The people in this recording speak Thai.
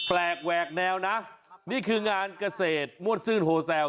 แหวกแนวนะนี่คืองานเกษตรมวดซื่นโฮแซล